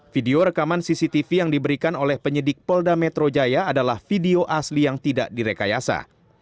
video rekaman cctv yang diberikan oleh penyidik polda metro jaya adalah video asli yang tidak direkayasa